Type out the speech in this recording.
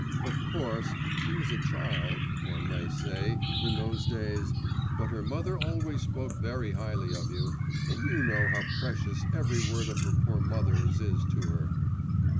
'Of course, she was a child, one may say, in those days; but her mother always spoke very highly of you, and you know how precious every word of her poor mother's is to her.